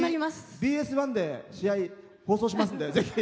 ＢＳ１で試合を放送しますので。